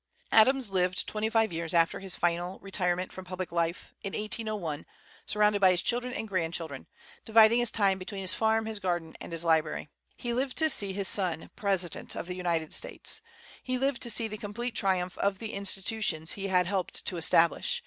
Adams lived twenty five years after his final retirement from public life, in 1801, surrounded by his children and grandchildren, dividing his time between his farm, his garden, and his library. He lived to see his son president of the United States. He lived to see the complete triumph of the institutions he had helped to establish.